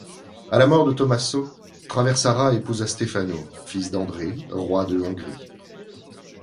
À la mort de Tommaso, Traversara épousa Stefano, fils d'André, roi de Hongrie.